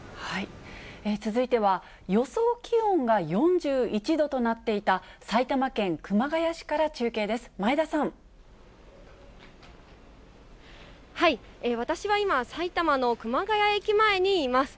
続いては、予想気温が４１度となっていた、埼玉県熊谷市から中継です、私は今、埼玉の熊谷駅前にいます。